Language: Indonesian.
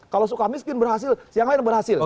kalau suka miskin berhasil yang lain berhasil